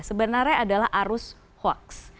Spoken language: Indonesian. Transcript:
sebenarnya adalah arus hoax